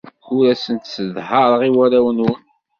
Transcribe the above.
Ur asen-sseḍhareɣ i warraw-nwen.